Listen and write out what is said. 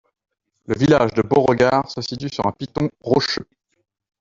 Le village de Beauregard se situe sur un piton rocheux.